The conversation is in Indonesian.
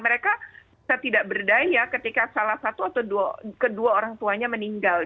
mereka tidak berdaya ketika salah satu atau kedua orang tuanya meninggal